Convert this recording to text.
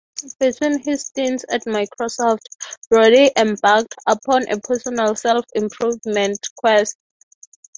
Between his stints at Microsoft, Brodie embarked upon a personal self-improvement quest.